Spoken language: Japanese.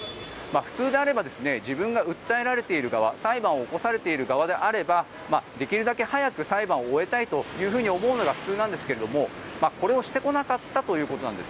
普通であれば自分が訴えられている側裁判を起こされている側であればできるだけ早く裁判を終えたいと思うのが普通なんですがこれをしてこなかったということです。